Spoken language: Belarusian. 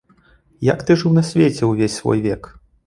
Як ты жыў на свеце ўвесь век свой?